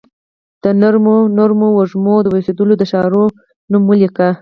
د نرمو نرمو وږمو، د اوسیدولو د ښار نوم ولیکي